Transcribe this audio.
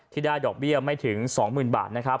ที่ได้ดอกเบี้ยไม่ถึง๒หมื่นบาทนะครับ